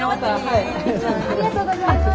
ありがとうございます。